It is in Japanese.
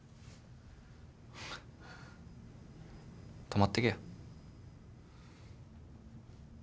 泊まってけよ。